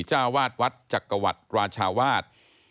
เจ้าวาดวัดจักรวรรดิราชาวาส